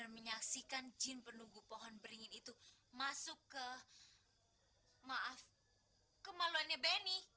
maaf kemaluannya benny